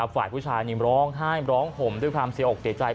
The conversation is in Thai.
ฝ่ายผู้ชายร้องไห้ร้องห่มด้วยความเสียอกเสียใจ